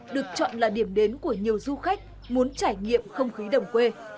được chọn là điểm đến của nhiều du khách muốn trải nghiệm không khí đồng quê